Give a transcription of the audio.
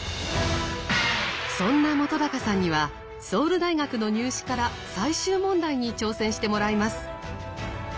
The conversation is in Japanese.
そんな本さんにはソウル大学の入試から最終問題に挑戦してもらいます。